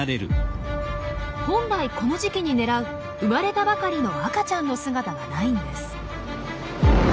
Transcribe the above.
本来この時期に狙う生まれたばかりの赤ちゃんの姿がないんです。